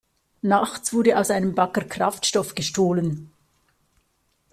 Nachts wurde aus einem Bagger Kraftstoff gestohlen.